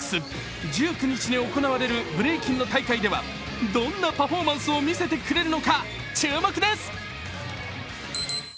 １９日に行われるブレイキンの大会では、どんなパフォーマンスを見せてくれるのか注目です。